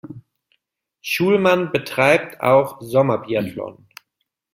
Schulman betreibt auch Sommerbiathlon.